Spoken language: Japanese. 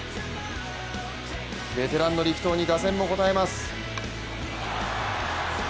ベテランの力投に打線も応えます。